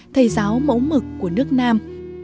thầy giáo mẫu mực của nước nam